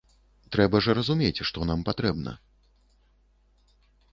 Трэба ж разумець, што нам патрэбна.